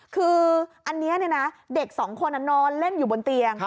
คืออันนี้เด็กสองคนนอนเล่นอยู่บนเตียง